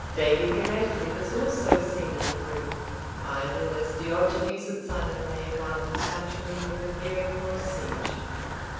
Davie Gellatley was also seen in the group, idle as Diogenes at Sinope while his countrymen were preparing for a siege.